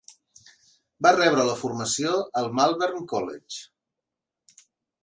Va rebre la formació al Malvern College.